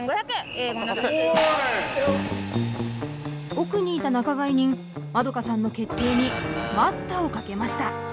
奥にいた仲買人まどかさんの決定に待ったをかけました。